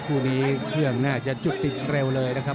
คู่นี้เครื่องน่าจะจุดติดเร็วเลยนะครับ